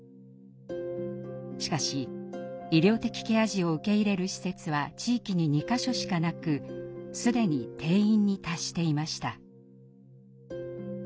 しかし医療的ケア児を受け入れる施設は地域に２か所しかなく既に定員に達していました。